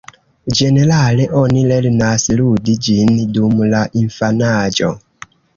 Ĝenerale, oni lernas ludi ĝin dum la infanaĝo.